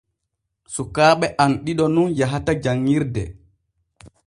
Sukaaɓe am ɗiɗo nun yahata janŋirde.